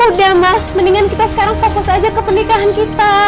udah mas mendingan kita sekarang fokus aja ke pernikahan kita